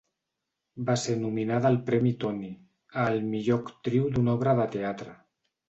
Va ser nominada al premi Tony a al millor actriu d'una obra de teatre.